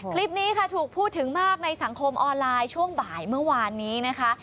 คลิปนี้ค่ะถูกพูดถึงมากในสังคมออนไลน์ช่วงบ่ายเมื่อวานนี้นะคะ